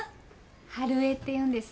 春恵っていうんです